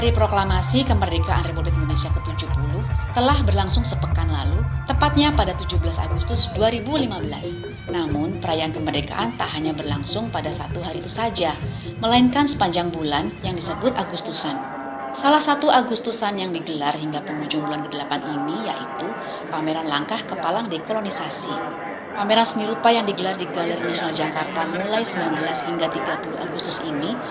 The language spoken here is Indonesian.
pembelajaran kepala dekolonisasi